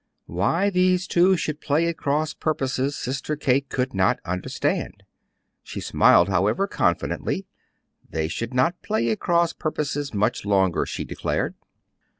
Why these two should play at cross purposes Sister Kate could not understand. She smiled, however, confidently: they should not play at cross purposes much longer, she declared.